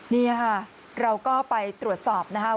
นี่ค่ะเราก็ไปตรวจสอบนะคะ